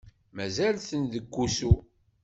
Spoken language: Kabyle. Mazal-ten deg usu?